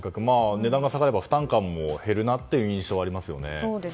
値段が下がれば負担感も減るなという印象はありますよね。